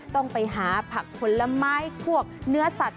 ต้องไปหาผักผลไม้พวกเนื้อสัตว